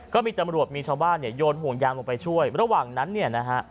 ก็มีตำรวจมีชาวบ้านเนี่ยโยนห่วงยางลงไปช่วยระหว่างนั้นเนี่ยนะฮะ